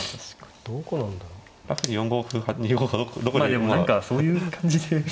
でも何かそういう感じで。